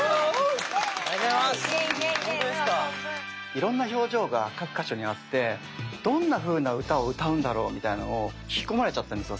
いろんな表情が各箇所にあってどんなふうな歌を歌うんだろうみたいなのを引き込まれちゃったんですよ